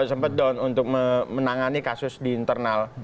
sempat down untuk menangani kasus di internal